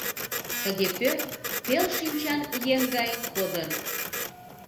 Тыге пӧрт пел шинчан еҥ гай кодын.